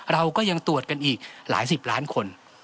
เราก็ยังตรวจกันอีกหลายสิบล้านคน